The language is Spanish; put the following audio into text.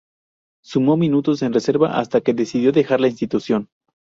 Sumó minutos en reserva hasta que decidió dejar la institución.